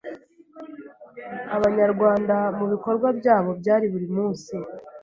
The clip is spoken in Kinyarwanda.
Abanyarwanda, mu bikorwa byabo bya buri munsi.